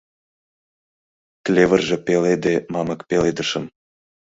Клевырже пеледе мамык пеледышым.